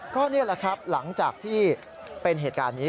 ก็นี่แหละครับหลังจากที่เป็นเหตุการณ์นี้